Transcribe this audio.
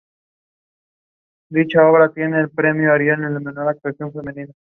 Desgraciadamente, las tropas suecas destruyeron totalmente la ciudad y quemaron el castillo.